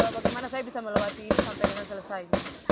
bagaimana saya bisa melewati sampai dengan selesai